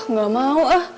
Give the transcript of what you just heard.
nggak mau ah